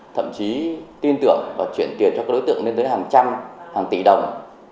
thậm chí tin tưởng và chuyển tiền cho các đối tượng lên tới hàng trăm hàng tỷ đồng